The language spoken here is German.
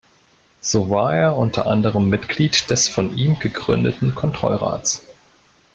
So war er unter anderem Mitglied des von ihm gegründeten Kontrollrats.